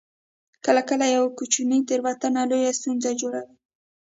کله کله یوه کوچنۍ تیروتنه لویه ستونزه جوړوي